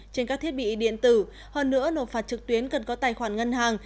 trên các thiết bị điện tử hơn nữa nộp phạt trực tuyến cần có tài khoản ngân hàng